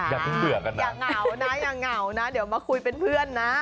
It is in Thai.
อย่าเพิ่งเบื่อกันนะอย่าเหงานะอย่าเหงานะเดี๋ยวมาคุยเป็นเพื่อนนะ